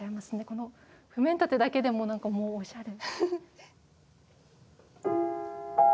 この譜面立てだけでも何かもうおしゃれ。